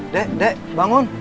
dek dek bangun